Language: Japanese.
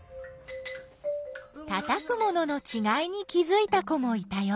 たたく物のちがいに気づいた子もいたよ。